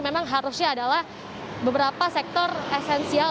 memang harusnya adalah beberapa sektor esensial